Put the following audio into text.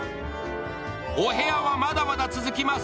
お部屋は、まだまだ続きます。